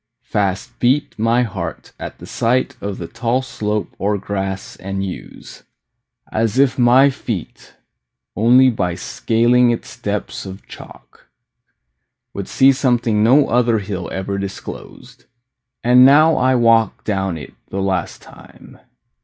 Fast beat My heart at the sight of the tall slope Or grass and yews, as if my feet Only by scaling its steps of chalk Would see something no other hill Ever disclosed. And now I walk Down it the last time.